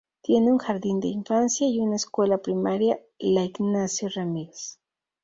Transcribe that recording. Tiene un jardín de infancia y una escuela primaria, la "Ignacio Ramírez".